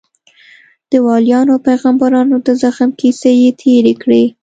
د وليانو او پيغمبرانو د زغم کيسې يې تېرې کړې.